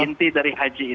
inti dari haji itu